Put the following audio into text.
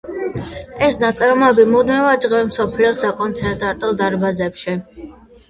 ეს ნაწარმოებები მუდმივად ჟღერს მსოფლიოს საკონცერტო დარბაზებში.